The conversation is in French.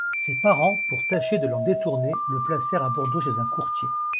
Ses parents, pour tâcher de l'en détourner, le placèrent à Bordeaux chez un courtier.